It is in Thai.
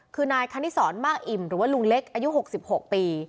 คือนายคณิสรมากอิ่มหรือว่าลุงเล็กอายุ๖๖ปี